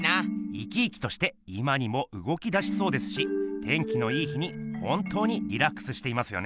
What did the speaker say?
生き生きとして今にもうごきだしそうですし天気のいい日に本当にリラックスしていますよね。